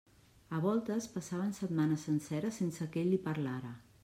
A voltes passaven setmanes senceres sense que ell li parlara.